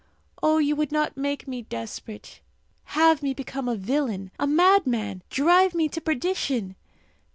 Oh, you would not make me desperate have me become a villain, a madman, drive me to perdition?